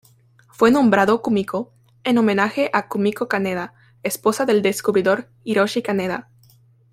Fue nombrado Kumiko en homenaje a "Kumiko Kaneda", esposa del descubridor Hiroshi Kaneda.